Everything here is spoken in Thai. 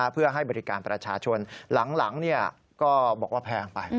เพื่อให้บริการประชาชนหลังก็บอกว่าแพงไป